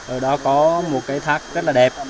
ở đó có một cái thác rất là đẹp